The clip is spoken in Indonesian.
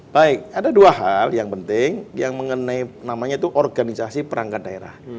baik ada dua hal yang penting yang mengenai namanya itu organisasi perangkat daerah